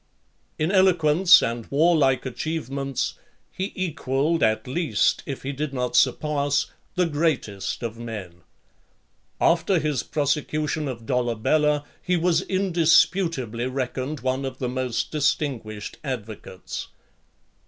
LV. In eloquence and warlike achievements, he equalled at least, if he did not surpass, the greatest of men. After his prosecution of Dolabella, he was indisputably reckoned one of the most distinguished advocates.